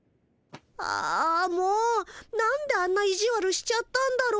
あもうなんであんないじわるしちゃったんだろう。